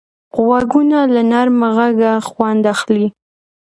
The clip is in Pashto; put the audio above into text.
غوږونه له نرمه غږه خوند اخلي